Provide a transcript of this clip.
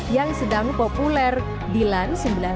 yang sedang populer dilan seribu sembilan ratus sembilan puluh